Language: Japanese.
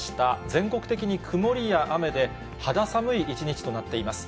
全国的に曇りや雨で、肌寒い一日となっています。